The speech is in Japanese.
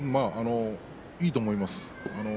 いいと思います。